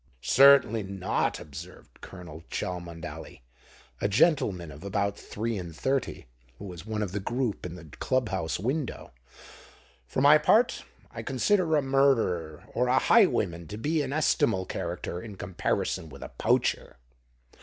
"Certainly not," observed Colonel Cholmondeley, a gentleman of about three and thirty who was one of the group in the Club House window. "For my part, I consider a murderer or a highwayman to be an estimable character in comparison with a poacher."